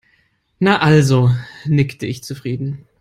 "Na also", nickte ich zufrieden.